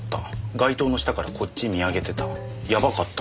「街灯の下からこっち見上げてたやばかったかも」